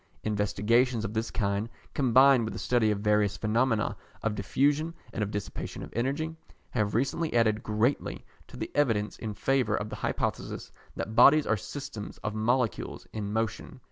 Investigations of this kind, combined with a study of various phenomena of diffusion and of dissipation of energy, have recently added greatly to the evidence in favour of the hypothesis that bodies are systems of molecules in motion.